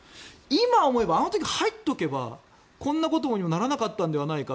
今思えばあの時入っておけばこんなことにはならなかったと。